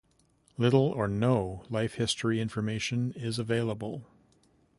Little or no life history information is available.